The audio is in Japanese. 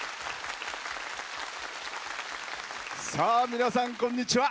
皆さん、こんにちは。